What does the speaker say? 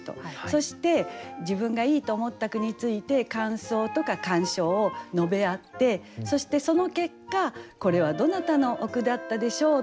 そして自分がいいと思った句について感想とか鑑賞を述べ合ってそしてその結果「これはどなたのお句だったでしょう？」